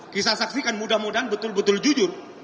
kisah saksikan mudah mudahan betul betul jujur